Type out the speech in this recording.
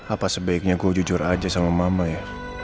apa sebaiknya gue jujur aja sama mama ya